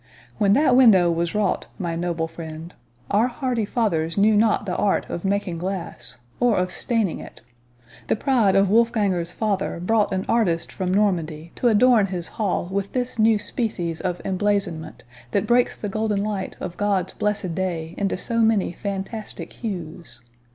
When that window was wrought, my noble friend, our hardy fathers knew not the art of making glass, or of staining it—The pride of Wolfganger's father brought an artist from Normandy to adorn his hall with this new species of emblazonment, that breaks the golden light of God's blessed day into so many fantastic hues.